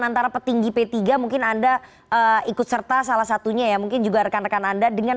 antara petinggi p tiga mungkin anda ikut serta salah satunya ya mungkin juga rekan rekan anda dengan